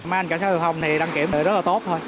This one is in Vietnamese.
mấy anh cảnh sát giao thông thì đăng kiểm rất là tốt thôi